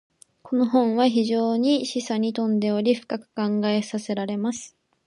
•この本は非常に示唆に富んでおり、深く考えさせられます。